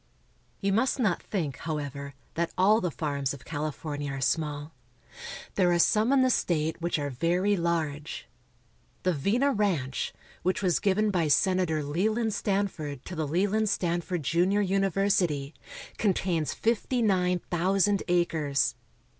You must not think, however, that all the farms of Cali fornia are small. There are some in the state which are very large. The Vina Ranch, which was given by Sena tor Leland Stanford to the Leland Stanford Junior Uni versity, contains fifty nine thousand acres.